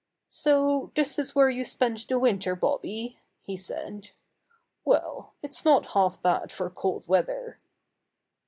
"So this is where you spent the winter, Bobby?" he said. "Well, it's not half bad for cold weather."